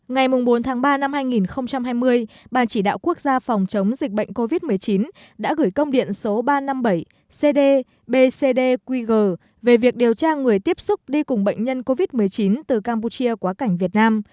ngày bốn ba hai nghìn hai mươi ban chỉ đạo quốc gia phòng chống dịch bệnh covid một mươi chín đã gửi công điện số ba trăm năm mươi bảy cd bcd qg về việc điều tra người tiếp xúc đi cùng bệnh nhân covid một mươi chín từ campuchia quá cảnh việt nam